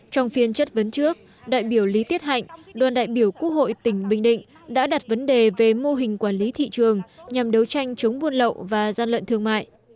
trong phiên chất vấn trước đại biểu lý tiết hạnh đoàn đại biểu quốc hội tỉnh bình định đã đặt vấn đề về mô hình quản lý thị trường nhằm đấu tranh chống buôn lậu và gian lận thương mại